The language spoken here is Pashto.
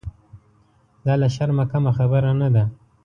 دا له شرمه کمه خبره نه ده.